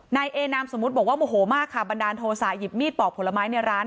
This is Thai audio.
นายเอนามสมมุติบอกว่าโมโหมากค่ะบันดาลโทษะหยิบมีดปอกผลไม้ในร้าน